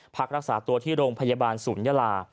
พักรักษาตัวที่โรงพยาบาลศูนยาลา